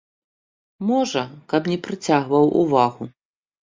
Можа, каб не прыцягваў увагу.